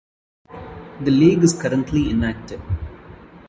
The league is currently inactive.